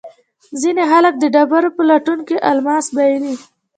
ځینې خلک د ډبرو په لټون کې الماس بایلي.